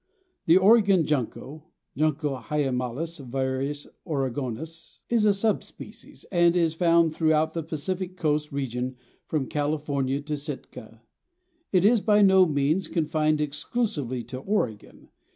The Oregon Junco ("Junco hyemalis var. Oregonus") is a sub species, and is found throughout the Pacific coast region from California to Sitka. It is, by no means, confined exclusively to Oregon.